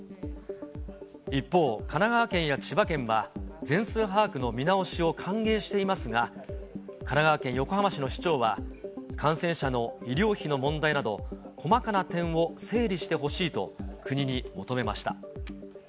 一方、神奈川県や千葉県は、全数把握の見直しを歓迎していますが、神奈川県横浜市の市長は、感染者の医療費の問題など、細かな点を整理してほしいと、国に求めました。